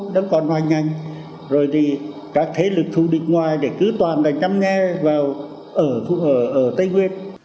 đó còn hoài nhanh rồi thì các thế lực thu địch ngoài để cứ toàn là chăm nghe vào ở tây nguyên